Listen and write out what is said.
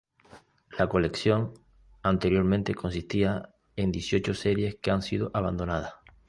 La colección anteriormente consistía en dieciocho series, que han sido abandonadas.